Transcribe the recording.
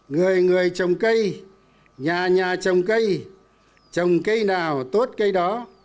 người người trồng cây nhà nhà trồng cây trồng cây nào tốt cây đó